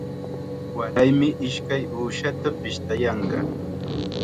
Waraymi ishkay uushata pishtayanqa.